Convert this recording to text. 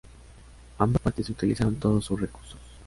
Ambas partes utilizaron todos sus recursos.